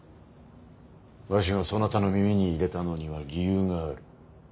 わしがそなたの耳に入れたのには理由がある。